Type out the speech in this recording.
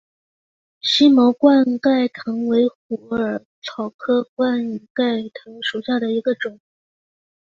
星毛冠盖藤为虎耳草科冠盖藤属下的一个种。